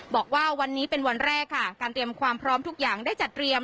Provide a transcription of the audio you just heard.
บอกว่าวันนี้เป็นวันแรกค่ะการเตรียมความพร้อมทุกอย่างได้จัดเตรียม